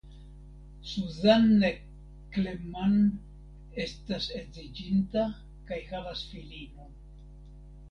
Suzanne Klemann estas edziĝinta kaj havas filinon.